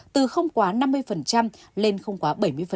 từ không quá năm mươi lên không quá bảy mươi